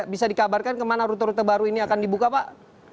bisa dikabarkan kemana rute rute baru ini akan dibuka pak